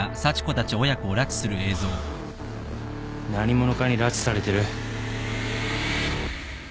何者かに拉致されてる。